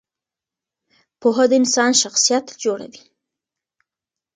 پوهه د انسان شخصیت جوړوي.